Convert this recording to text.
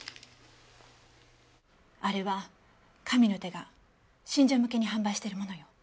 あれは神の手が信者向けに販売しているものよ。